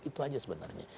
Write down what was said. itu aja sebenarnya